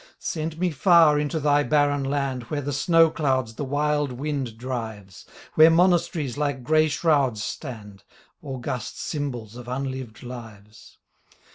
Send me far into Thy barren land Where the snow clouds the wild wind drives. Where monasteries like gray shrouds stand — August symbols of unlived lives.